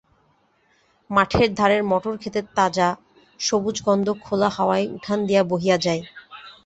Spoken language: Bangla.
মাঠের ধারের মটর ক্ষেতের তাজা, সবুজ গন্ধ খোলা হাওয়ায় উঠান দিয়া বহিয়া যায়।